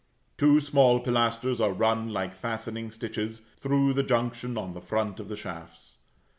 Two small pilasters are run, like fastening stitches, through the junction on the front of the shafts.